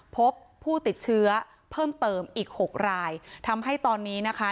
พบผู้ติดเชื้อเพิ่มเติมอีกหกรายทำให้ตอนนี้นะคะ